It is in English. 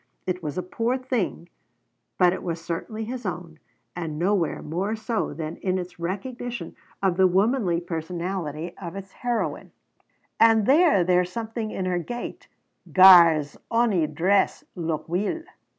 It was a poor thing, but it was certainly his own, and nowhere more so than in its recognition of the womanly personality of its heroine: "And then there's something in her gait Gars ony dress look weel."